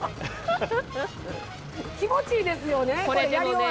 気持ちいいですよね。